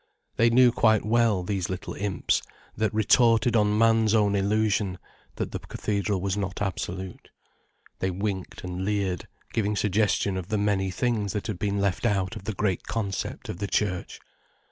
They knew quite well, these little imps that retorted on man's own illusion, that the cathedral was not absolute. They winked and leered, giving suggestion of the many things that had been left out of the great concept of the church.